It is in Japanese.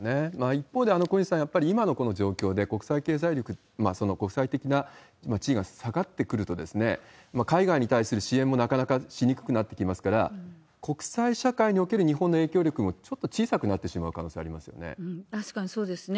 一方で小西さん、やっぱり今の状況で、国際経済力、国際的な地位が下がってくると、海外に対する支援もなかなかしにくくなってきますから、国際社会における日本の影響力もちょっと小さくなってしまう可能確かにそうですね。